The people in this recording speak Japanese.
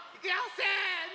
せの。